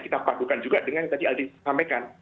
ini kita padukan juga dengan yang tadi aldi sampaikan